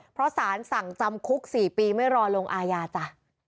เพราะสารสั่งจำคุก๔ปีไม่รอลงอาญาจ้ะ